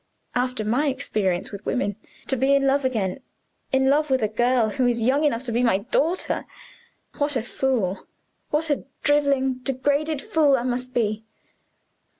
After my experience of women, to be in love again in love with a girl who is young enough to be my daughter what a fool, what a driveling, degraded fool I must be!"